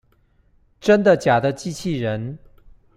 真的假的機器人